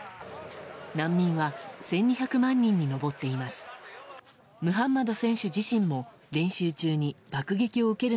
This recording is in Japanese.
難民は１２００万人に上っています。